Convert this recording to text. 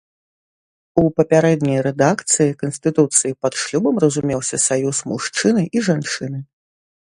У папярэдняй рэдакцыі канстытуцыі пад шлюбам разумеўся саюз мужчыны і жанчыны.